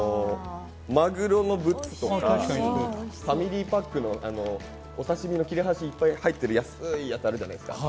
マグロのぶつとか、ファミリーパックのお刺身の切れ端がいっぱい入ってるやつあるじゃないですか。